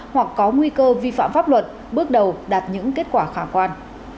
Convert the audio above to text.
hoặc có nguy cơ vi phạm pháp luật bước đầu đạt những kết quả khả quan